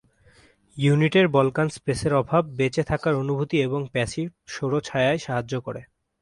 Unit এর বলকান স্পেসের অভাব বেঁচে থাকার অনুভূতি এবং প্যাসিভ সৌর ছায়ায় সাহায্য করে।